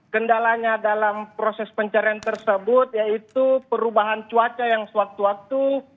kendalanya dalam proses pencarian tersebut yaitu perubahan cuaca yang sewaktu waktu